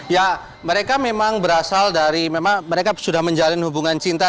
ya mereka memang berasal dari memang mereka sudah menjalin hubungan cinta